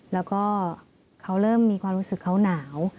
แล้วก็เขาเริ่มมีความรู้สึกเขาหนาว